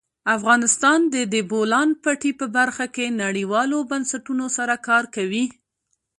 افغانستان د د بولان پټي په برخه کې نړیوالو بنسټونو سره کار کوي.